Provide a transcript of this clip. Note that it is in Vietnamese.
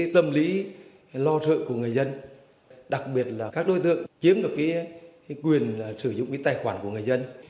tâm lý lo trợ của người dân đặc biệt là các đối tượng chiếm được quyền sử dụng tài khoản của người dân